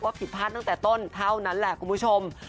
ผิดพลาดตั้งแต่ต้นเท่านั้นแหละคุณผู้ชม